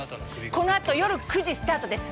このあと夜９時スタートです。